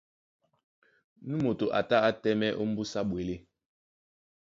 Nú moto a tá á tɛ́mɛ̀ ómbúsá ɓwelé.